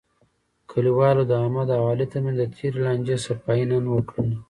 کلیوالو د احمد او علي ترمنځ د تېرې لانجې صفایی نن وکړله.